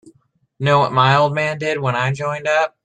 Know what my old man did when I joined up?